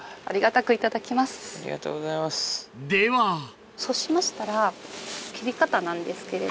ではそうしましたら切り方なんですけれど。